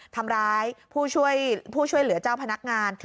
ทำร้ายผู้ช่วยเหลือเจ้าพนักงาน